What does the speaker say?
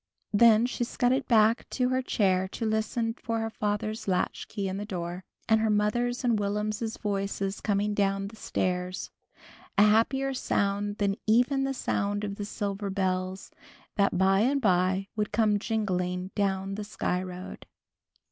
Then she scudded back to her chair to listen for her father's latchkey in the door, and her mother's and Will'm's voices coming down the stairs, a happier sound than even the sound of the silver bells, that by and by would come jingling down the Sky Road.